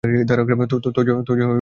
তোজো, এটা তোমার।